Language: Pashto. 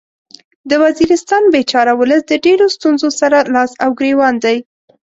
د وزیرستان بیچاره ولس د ډیرو ستونځو سره لاس او ګریوان دی